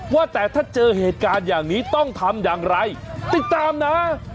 ว่าแต่ถ้าเจอเหตุการณ์อย่างนี้ต้องทำอย่างไรติดตามนะ